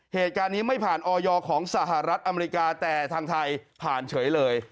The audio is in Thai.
เหตุการณ์นี้ไม่ผ่านออยของสหรัฐอเมริกาแต่ทางไทยผ่านเฉยเลย